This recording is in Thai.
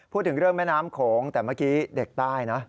พูดถึงเรื่องแม่น้ำโขงแต่เมื่อกี้เด็กใต้นะ